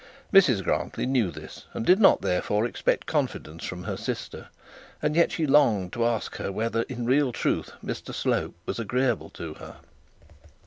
Mrs Grantly knew this, and did not, therefore, expect confidence from her sister; and yet she longed to ask her whether in real truth Mr Slope was agreeable to her.